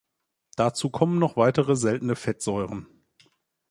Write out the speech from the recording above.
Dazu kommen noch weitere seltene Fettsäuren.